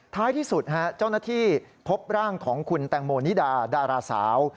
ท้ายที่สุดเจ้าหน้าที่พบร่างของคุณแตงโมนิดาดาราสาว